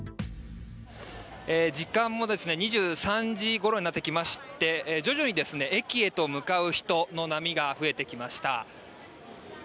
時間も２３時ごろになってきまして徐々に駅へと向かう人の波が増えてきました。